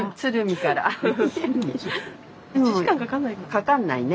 かかんないね